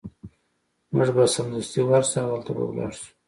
موږ به سمدستي ورشو او هلته به لاړ شو